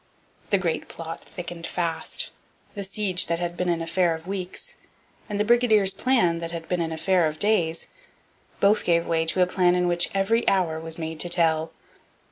The great plot thickened fast. The siege that had been an affair of weeks, and the brigadiers' plan that had been an affair of days, both gave way to a plan in which every hour was made to tell.